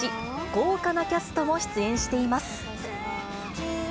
豪華なキャストも出演しています。